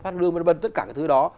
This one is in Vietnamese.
tất cả cái thứ đó